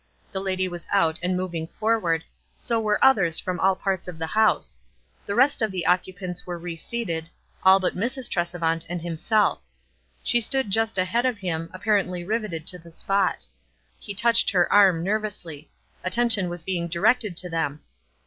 The lady was out and moving forward, so were others from all parts of the house. The rest of the oc cupants were reseated, all but Mrs. Tresevant WISE AND OTHERWISE. 341 and himself. She stood just ahead of him, ap parently riveted to the spot. He touched her arm nervously ; attention was being directed to them.